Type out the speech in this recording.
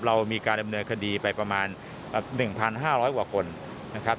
เรามีการดำเนินคดีไปประมาณ๑๕๐๐กว่าคนนะครับ